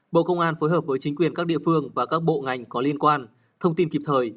bộ công an phối hợp với chính quyền các địa phương và các bộ ngành có liên quan thông tin kịp thời